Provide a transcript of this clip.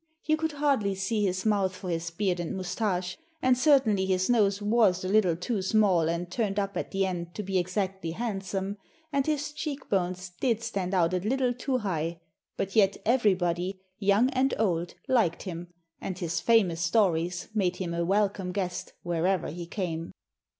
You could hardly see his mouth for his beard and moustache, and certainly his nose was a little too small and turned up at the end to be exactly handsome, and his cheek bones did stand out a little too high; but yet everybody, young and old, liked him, and his famous stories made him a welcome guest wherever he came.